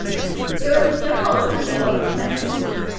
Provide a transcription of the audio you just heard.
There was a general approval of the plan.